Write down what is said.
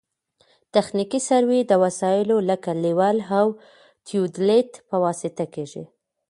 تخنیکي سروې د وسایلو لکه لیول او تیودولیت په واسطه کیږي